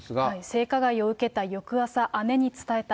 性加害を受けた翌朝、姉に伝えた。